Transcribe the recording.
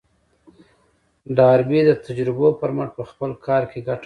ډاربي د تجربو پر مټ په خپل کار کې ګټه وکړه.